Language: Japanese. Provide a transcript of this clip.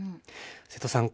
瀬戸さん